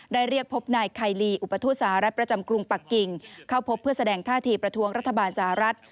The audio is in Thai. เรียกพบนายไคลีอุปทูตสหรัฐประจำกรุงปักกิ่งเข้าพบเพื่อแสดงท่าทีประท้วงรัฐบาลสหรัฐ